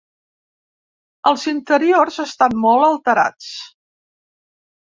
Els interiors estan molt alterats.